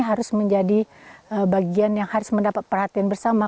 harus menjadi bagian yang harus mendapat perhatian bersama